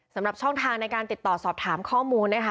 สำหรับช่องทางในการติดต่อสอบถามข้อมูลนะคะ